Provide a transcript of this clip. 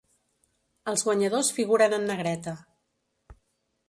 Els guanyadors figuren en negreta.